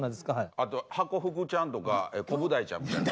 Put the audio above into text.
あとハコフグちゃんとかコブダイちゃんみたいな。